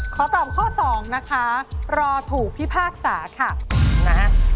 ขอตอบข้อสองนะคะรอถูกพิพากษาค่ะนะฮะ